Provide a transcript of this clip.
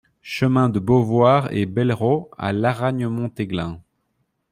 Chemin de Beauvoir et Bellerots à Laragne-Montéglin